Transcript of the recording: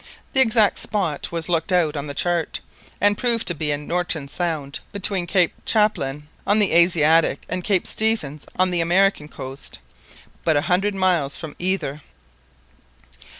The exact spot was looked out on the chart, and proved to be in Norton Sound, between Cape Tchaplin on the Asiatic and Cape Stephens on the American coast, but a hundred miles from either.